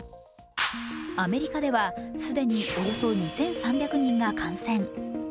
アメリカでは既におよそ２３００人が感染。